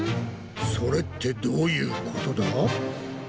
それってどういうことだ？